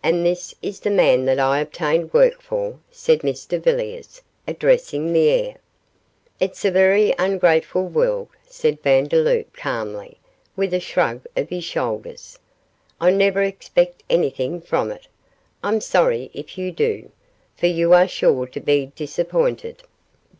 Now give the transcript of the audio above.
'And this is the man that I obtained work for,' said Mr Villiers, addressing the air. 'It's a very ungrateful world,' said Vandeloup, calmly, with a shrug of his shoulders; 'I never expect anything from it; I'm sorry if you do, for you are sure to be disappointed.